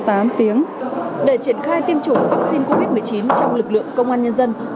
để triển khai tiêm chủng vaccine covid một mươi chín trong lực lượng công an nhân dân